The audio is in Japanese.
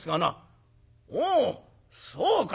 「おおそうか！